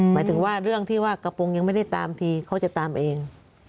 หมายถึงว่าเรื่องที่ว่ากระโปรงยังไม่ได้ตามทีเขาจะตามเอง